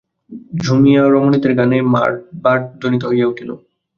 জুমিয়া রমণীদের গানে মাঠ-বাট ধ্বনিত হইয়া উঠিল।